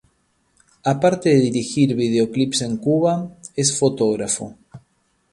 Aparte de dirigir videoclips en Cuba, es fotógrafo.